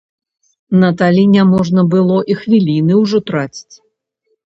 Наталі няможна было і хвіліны ўжо траціць.